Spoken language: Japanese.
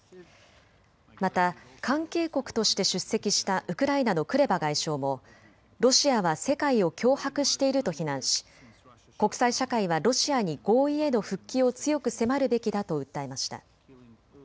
また関係国として出席したウクライナのクレバ外相もロシアは世界を脅迫していると非難し国際社会はロシアに合意への復帰を強く迫るべきだと訴えました。